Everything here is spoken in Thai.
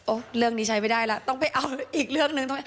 เรื่องนี้ใช้ไม่ได้แล้วต้องไปเอาอีกเรื่องหนึ่ง